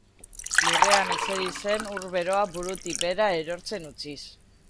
Lurrean ezeri zen ur beroa burutik behera erortzen utziz.